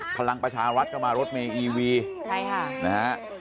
พลังประชาวัฒน์ก็มารถเมย์อีวีใช่ค่ะ